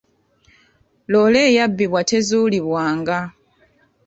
Loole eyabbibwa tezuulibwanga.